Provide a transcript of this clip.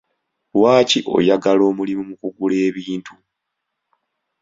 Lwaki oyagala omulimu mu kugula ebintu?